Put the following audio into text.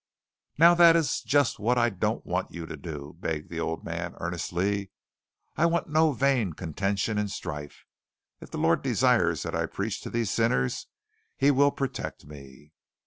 "Now that is just what I don't want you to do," begged the old man earnestly. "I want no vain contention and strife. If the Lord desires that I preach to these sinners, He will protect me."